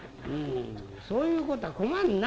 そういうことは困るな。